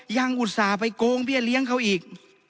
อุตส่าห์ไปโกงเบี้ยเลี้ยงเขาอีก